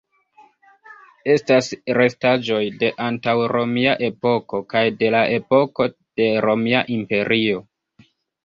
Estas restaĵoj de antaŭromia epoko kaj de la epoko de Romia Imperio.